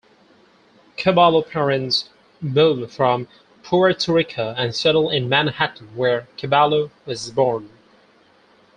Ceballo's parents moved from Puerto Rico and settled in Manhattan where Ceballo was born.